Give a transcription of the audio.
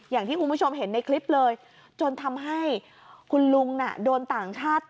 อย่างที่คุณผู้ชมเห็นในคลิปเลยจนทำให้คุณลุงน่ะโดนต่างชาติ